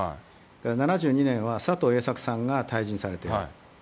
７２年は佐藤栄作さんが退陣されてる。